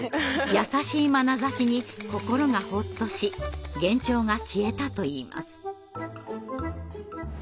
優しいまなざしに心がほっとし幻聴が消えたといいます。